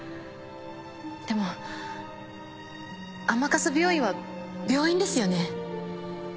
でも甘春病院は病院ですよね？